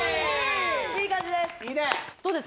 いい感じです